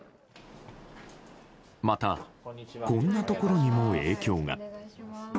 また、こんなところにも影響が。